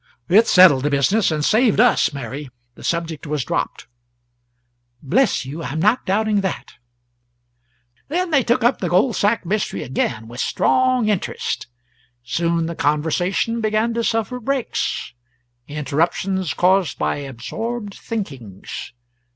"It settled the business, and saved us, Mary. The subject was dropped." "Bless you, I'm not doubting that." Then they took up the gold sack mystery again, with strong interest. Soon the conversation began to suffer breaks interruptions caused by absorbed thinkings.